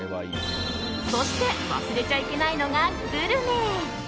そして、忘れちゃいけないのがグルメ。